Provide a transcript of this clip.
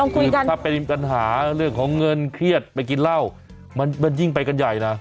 คือถ้าเป็นปัญหาเรื่องของเงินเครียดไปกินเหล้ามันยิ่งไปกันใหญ่นะ